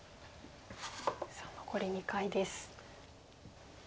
さあ残り２回です。